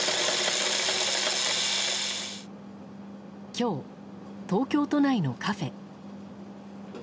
今日、東京都内のカフェ。